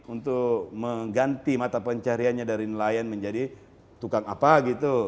untuk mengganti mata pencariannya dari nelayan menjadi tukang apa gitu